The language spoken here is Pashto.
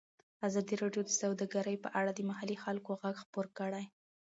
ازادي راډیو د سوداګري په اړه د محلي خلکو غږ خپور کړی.